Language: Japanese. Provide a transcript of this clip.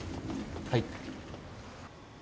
はい。